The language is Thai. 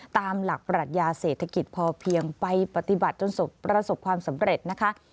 ตามหลักปรัชญาเศรษฐกิจพอเพียงไปปฏิบัติจนประสบความสำเร็จนะคะ